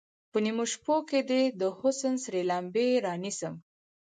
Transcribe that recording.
په نیمو شپو کې دې، د حسن سرې لمبې رانیسم